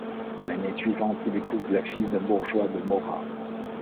L'année suivante, il épouse la fille d’un bourgeois de Morat.